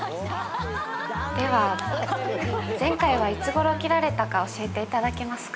では前回はいつごろ切られたか教えていただけますか？